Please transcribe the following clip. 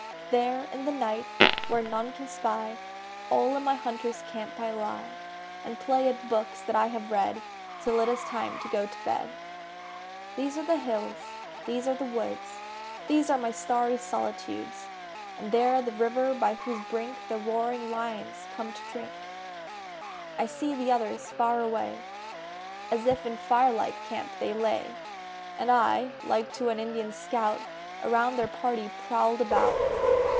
There, in the night, where none can spy, All in my hunter's camp I lie, And play at books that I have read Till it is time to go to bed. These are the hills, these are the woods, These are my starry solitudes; And there the river by whose brink The roaring lions come to drink. I see the others far away As if in firelit camp they lay, And I, like to an Indian scout, Around their party prowled about.